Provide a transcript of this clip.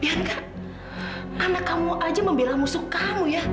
bianca anak kamu aja membela musuh kamu ya